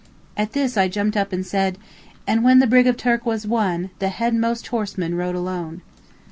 At this up I jumped and said: "'And when the Brigg of Turk was won, The headmost horseman rode alone.'"